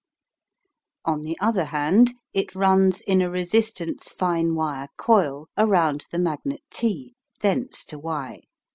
On the other hand, it runs in a resistance fine wire coil around the magnet T, thence to Y.